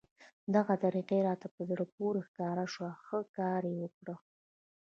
دغه طریقه یې راته په زړه پورې ښکاره شوه، ښه کار یې وکړ.